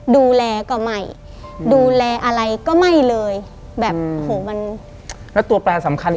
ดูแลก็ไม่